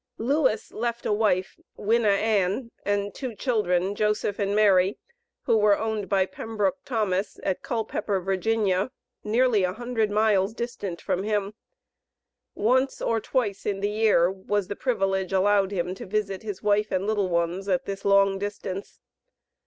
Lewis left a wife, Winna Ann, and two children, Joseph and Mary, who were owned by Pembroke Thomas, at Culpepper, Va., nearly a hundred miles distant from him. Once or twice in the year, was the privilege allowed him to visit his wife and little ones at this long distance.